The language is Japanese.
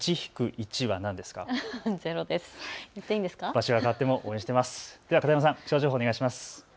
場所は変わっても応援しています。